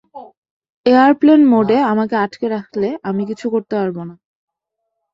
Airplane মোডে আমাকে আটকে রাখলে আমি কিচ্ছু করতে পারব না।